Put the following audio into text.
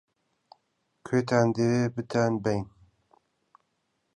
-کوێتان دەوێ بتانبەین؟